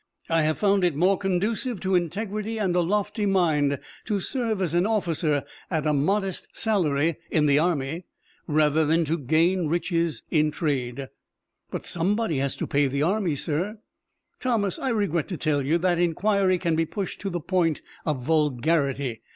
"I have found it more conducive to integrity and a lofty mind to serve as an officer at a modest salary in the army rather than to gain riches in trade." "But somebody has to pay the army, sir." "Thomas, I regret to tell you that inquiry can be pushed to the point of vulgarity.